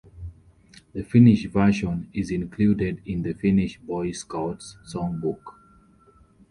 The Finnish version is included in the Finnish Boy Scouts' songbook.